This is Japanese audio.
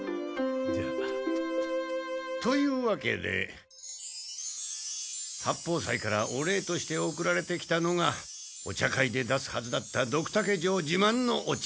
じゃあ。というわけで八方斎からお礼としておくられてきたのがお茶会で出すはずだったドクタケ城じまんのお茶。